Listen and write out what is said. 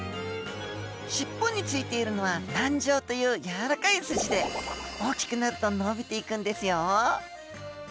尻尾に付いているのは軟条というやわらかいスジで大きくなると伸びていくんですよ。